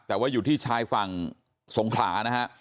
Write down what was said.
แต่ว่าอยู่ที่ชายฝั่งสงขลานะฮะ